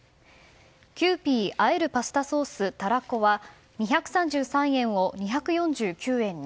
キユーピーあえるパスタソースたらこは２３３円を２４９円に。